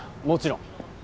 もちろん。